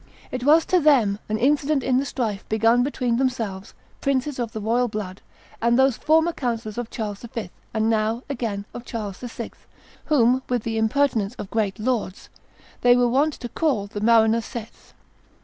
It was to them an incident in the strife begun between themselves, princes of the blood royal, and those former councillors of Charles V., and now, again, of Charles VI., whom, with the impertinence of great lords, they were wont to call the marinosettes.